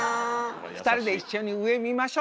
２人で一緒に上見ましょ。